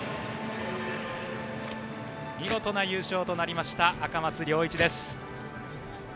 見事な優勝となりました赤松諒一です。